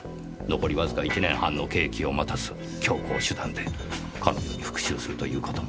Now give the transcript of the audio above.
残りわずか１年半の刑期を待たず強行手段で彼女に復讐するという事も。